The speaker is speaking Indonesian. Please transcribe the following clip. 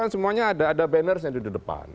semuanya ada banners yang ada di depan